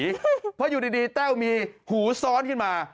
เพราะอยู่ดีแต้วมีหูซ้อนขึ้นมา